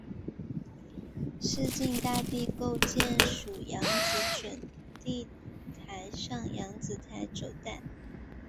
市境大地构造属扬子准地台上扬子台褶带。